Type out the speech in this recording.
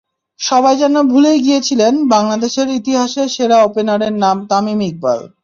সবাই যেন ভুলেই গিয়েছিলেন বাংলাদেশের ইতিহাসের সেরা ওপেনারের নাম তামিম ইকবাল।